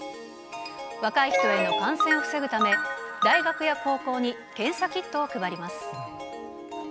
若い人への感染を防ぐため、大学や高校に検査キットを配ります。